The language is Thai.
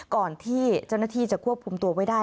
ก่อนที่เจ้าหน้าที่จะควบคุมตัวไว้ได้